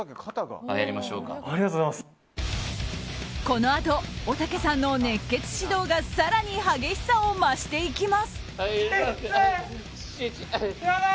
このあとおたけさんの熱血指導が更に激しさを増していきます。